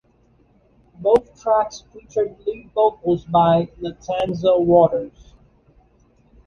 Both tracks featured lead vocals by Latanza Waters.